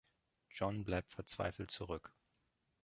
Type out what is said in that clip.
John bleibt verzweifelt zurück.